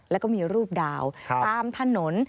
แล้วก็มีรูปดาวตามถนน